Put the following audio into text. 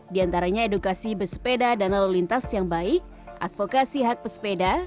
di antaranya edukasi bersepeda dan lalu lintas yang baik advokasi hak pesepeda